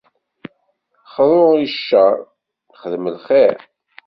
Xḍu i ccer, xdem lxir.